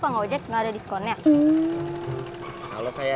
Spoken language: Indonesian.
ntar ya mas ya